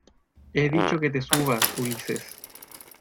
he dicho que te subas, Ulises.